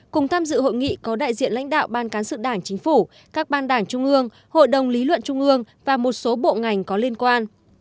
cùng tham dự hội nghị có đại diện lãnh đạo ban cán sự đảng chính phủ các ban đảng trung ương hội đồng lý luận trung ương và một số bộ ngành có liên quan